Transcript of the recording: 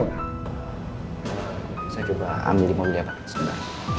bisa coba ambil di mobil yang ada di sebelah